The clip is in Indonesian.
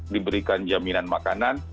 diberikan jaminan makanan